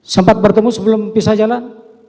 sempat bertemu sebelum pisah jalan